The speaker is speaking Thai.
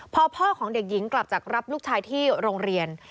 พอพ่อของเด็กหญิงกลับจากรับลูกชายที่โรงเรียน